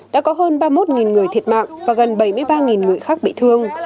đã có hơn ba mươi một người thiệt mạng và gần bảy mươi ba người khác bị thương